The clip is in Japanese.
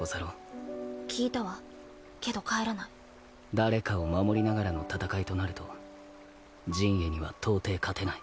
誰かを守りながらの戦いとなると刃衛にはとうてい勝てない。